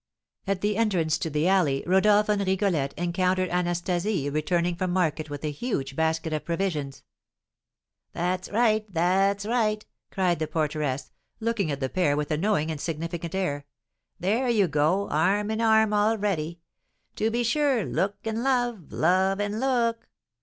At the entrance to the alley, Rodolph and Rigolette encountered Anastasie returning from market with a huge basket of provisions. "That's right! That's right!" cried the porteress, looking at the pair with a knowing and significant air; "there you go, arm in arm already. To be sure, look and love, love and look.